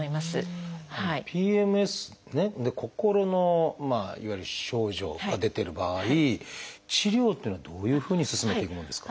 ＰＭＳでね心のいわゆる症状が出てる場合治療っていうのはどういうふうに進めていくものですか？